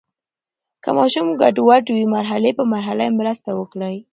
که ماشوم ګډوډ وي، مرحلې په مرحله یې مرسته وکړئ.